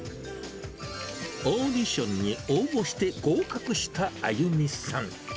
オーディションに応募して合格したあゆみさん。